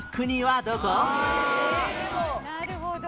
なるほど。